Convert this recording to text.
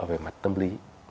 về mặt tâm lý